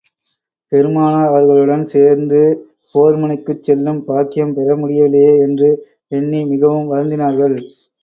பெருமானார் அவர்களுடன் சேர்ந்து போர் முனைக்குச் செல்லும் பாக்கியம் பெற முடியவில்லையே என்று எண்ணி மிகவும் வருந்தினார்கள்.